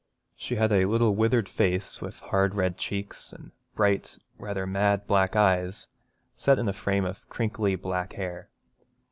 She had a little withered face, with hard red cheeks and bright, rather mad black eyes, set in a frame of crinkly black hair.